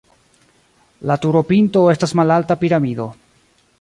La turopinto estas malalta piramido.